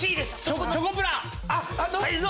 チョコプラ！の？